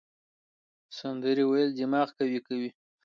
سندرې ویل دماغ قوي کوي.